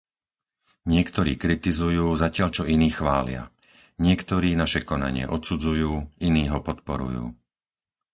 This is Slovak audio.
Niektorí kritizujú, zatiaľ čo iní chvália. Niektorí naše konanie odsudzujú, iní ho podporujú.